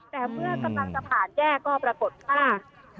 แต่เมื่อกำลังจะผ่านแยกก็ปรากฏว่า